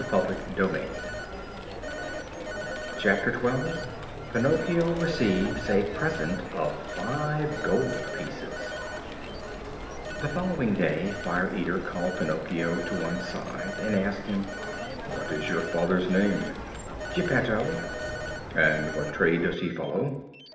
CHAPTER XII PINOCCHIO RECEIVES A PRESENT OF FIVE GOLD PIECES The following day Fire Eater called Pinocchio to one side and asked him: "What is your father's name?" "Geppetto." "And what trade does he follow?"